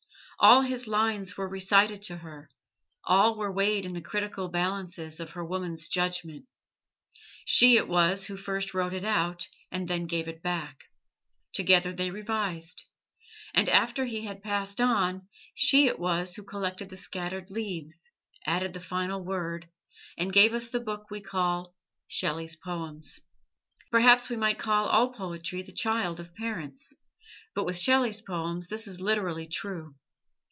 All his lines were recited to her, all were weighed in the critical balances of her woman's judgment. She it was who first wrote it out, and then gave it back. Together they revised; and after he had passed on, she it was who collected the scattered leaves, added the final word, and gave us the book we call "Shelley's Poems." Perhaps we might call all poetry the child of parents, but with Shelley's poems this is literally true.